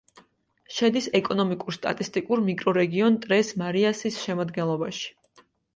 შედის ეკონომიკურ-სტატისტიკურ მიკრორეგიონ ტრეს-მარიასის შემადგენლობაში.